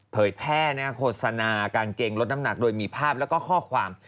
เผยแพร่โฆษณากางเกงลดน้ำหนักโดยมีภาพแล้วก็ข้อความ